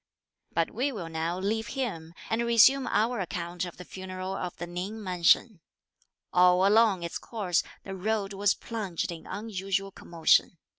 But we will now leave him and resume our account of the funeral of the Ning mansion. All along its course the road was plunged in unusual commotion.